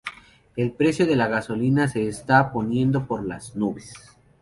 El precio de la gasolina se está poniendo por las nubes.